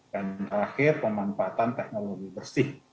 dan terakhir pemanfaatan teknologi bersih